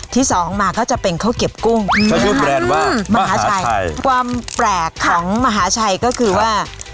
ที่สองมาก็จะเป็นข้าวเกรียบกุ้งมหาชัยความแปลกของมหาชัยก็คือว่า